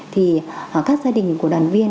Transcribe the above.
thì các gia đình của đoàn viên